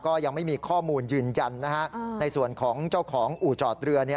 ก็ยังไม่มีข้อมูลยืนยันในส่วนของเจ้าของอู่จอดเรือ